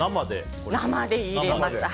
生で入れます。